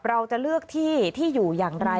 เราจะเลือกที่ที่อยู่อย่างไร